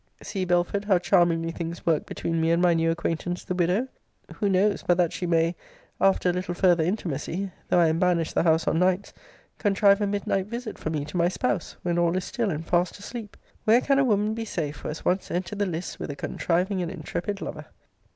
See, Belford, how charmingly things work between me and my new acquaintance, the widow! Who knows, but that she may, after a little farther intimacy, (though I am banished the house on nights,) contrive a midnight visit for me to my spouse, when all is still and fast asleep? Where can a woman be safe, who has once entered the lists with a contriving and intrepid lover?